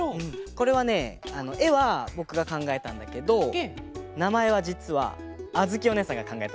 これはねえはぼくがかんがえたんだけどなまえはじつはあづきおねえさんがかんがえたの。